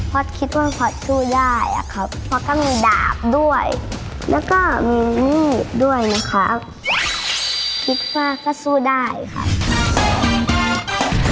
พอคิดว่าพอสู้ได้อะครับเพราะก็มีดาบด้วยแล้วก็มีมีดด้วยนะครับคิดว่าก็สู้ได้ค่ะ